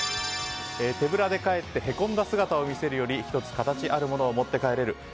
手ぶらで帰ってへこんだ姿を見せるより１つ、形あるものを持って帰れる。